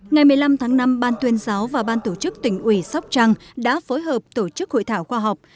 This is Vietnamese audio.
ngày một mươi năm tháng năm ban tuyên giáo và ban tổ chức tỉnh ủy sóc trăng đã phối hợp tổ chức hội thảo khoa học